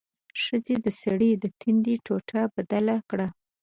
ښځې د سړي د تندي ټوټه بدله کړه.